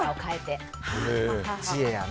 知恵やな。